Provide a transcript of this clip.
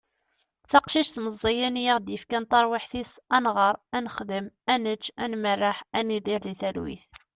taqcict meẓẓiyen i aɣ-d-yefkan taṛwiḥt-is ad nɣeṛ, ad nexdem, ad nečč, ad merreḥ, ad nidir di talwit